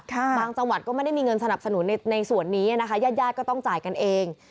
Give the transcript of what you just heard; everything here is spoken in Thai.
บางจังหวัดก็ไม่ได้มีเงินสนับสนุนในส่วนนี้นะคะญาติญาติก็ต้องจ่ายกันเอง